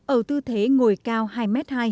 ở tư thế ngồi cao hai m hai